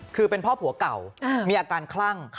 คือเป็นพ่อผัวเก่ามีอาการคลั่ง